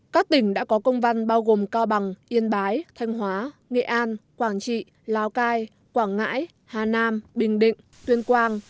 các tỉnh đã có công văn bao gồm cao bằng yên bái thanh hóa nghệ an quảng trị lào cai quảng ngãi hà nam bình định tuyên quang